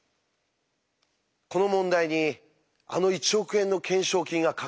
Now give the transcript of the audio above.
この問題にあの１億円の懸賞金がかけられてるんです。